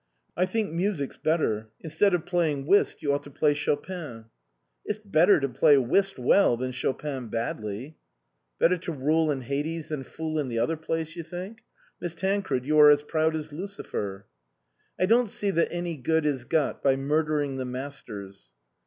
I think music's better. Instead of playing whist you ought to play Chopin." " It's better to play whist well than Chopin badly." " Better to rule in Hades than fool in the other place, you think? Miss Tancred, you are as proud as Lucifer." "I don't see that any good is got by murdering the masters."